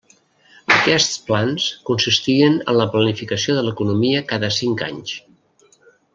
Aquests plans consistien en la planificació de l'economia cada cinc anys.